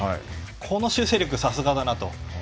この修正力はさすがだなと。